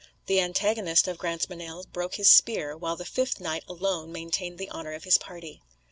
The antagonist of Grantmesnil broke his spear; while the fifth knight alone maintained the honour of his party.